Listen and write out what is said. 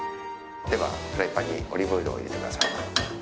では、フライパンにオリーブオイルを入れてください。